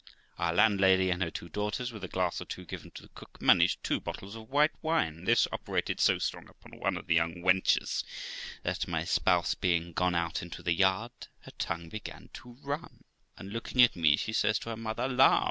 Our landlady and her two daughters, with a glass or two given to the cook, managed two bottles of white wine. This operated so strong upon one of the young wenches that, my spouse being gone out into the yard, her tongue began to run; and, looking at me, she says to her mother, 'La!